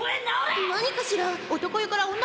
何かしら？